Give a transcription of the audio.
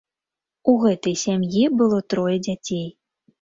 У гэтай сям'і было трое дзяцей.